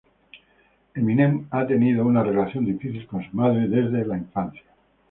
Eminem ha tenido una relación difícil con su madre desde la infancia.